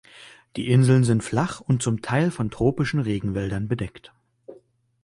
Die Inseln sind flach und zum Teil von tropischen Regenwäldern bedeckt.